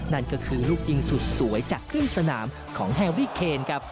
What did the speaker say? นั่นก็คือลูกยิงสุดสวยจากครึ่งสนามของแฮรี่เคนครับ